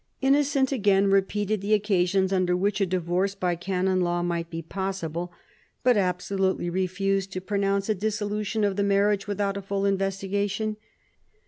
Innocent again repeated the occasions under which a divorce by canon law might be possible, but absolutely refused to pronounce a dissolution of the marriage without a full investigation.